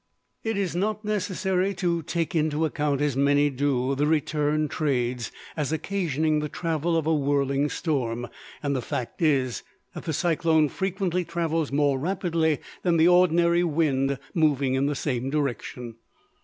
It is not necessary to take into account, as many do, the return trades, as occasioning the travel of a whirling storm; and the fact is, that the cyclone frequently travels more rapidly than the ordinary wind moving in the same direction.